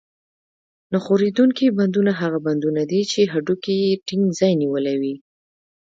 نه ښورېدونکي بندونه هغه بندونه دي چې هډوکي یې ټینګ ځای نیولی وي.